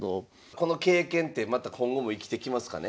この経験ってまた今後も生きてきますかね。